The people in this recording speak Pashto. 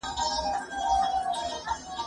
غم ډک کور ته ورلوېږي.